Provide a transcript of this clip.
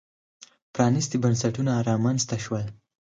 پرانېستي بنسټونه رامنځته شول.